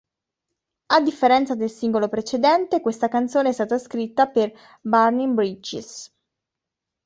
A differenza del singolo precedente, questa canzone è stata scritta per "Burning Bridges".